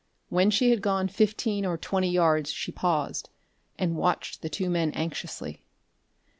When she had gone fifteen or twenty yards she paused, and watched the two men anxiously.